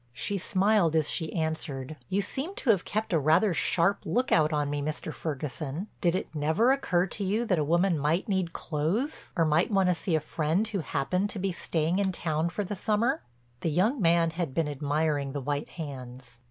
She smiled as she answered: "You seem to have kept rather a sharp look out on me, Mr. Ferguson. Did it never occur to you that a woman might need clothes, or might want to see a friend who happened to be staying in town for the summer?" The young man had been admiring the white hands.